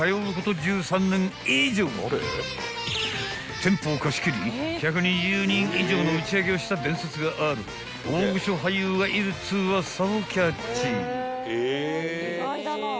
［店舗を貸し切り１２０人以上の打ち上げをした伝説がある大御所俳優がいるっつうウワサをキャッチ］